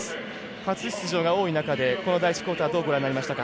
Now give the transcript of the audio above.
初出場が多い中で第１クオーターどうご覧になりましたか？